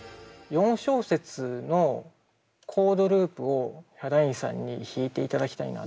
４小節のコードループをヒャダインさんに弾いていただきたいな。